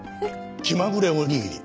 気まぐれおにぎり。